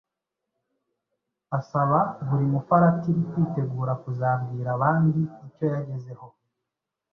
asaba buri mufaratiri kwitegura kuzabwira abandi icyo yagezeho.